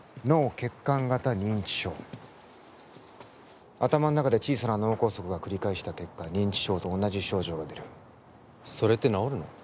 脳血管型認知症頭の中で小さな脳梗塞が繰り返した結果認知症と同じ症状が出るそれって治るの？